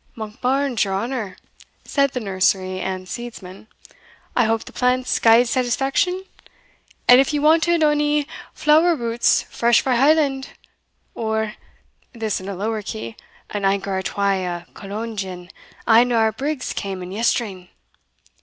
"Monkbarns, your honour," said the nursery and seedsman, "I hope the plants gied satisfaction? and if ye wanted ony flower roots fresh frae Holland, or" (this in a lower key) "an anker or twa o' Cologne gin, ane o' our brigs cam in yestreen."